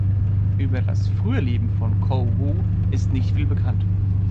Über das frühe Leben von Choe Woo ist nicht viel bekannt.